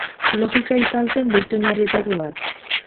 Logika izan zen beste oinarrietako bat.